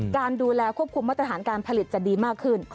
การดูแลควบคุมมาตรฐานการผลิตจะดีมากขึ้น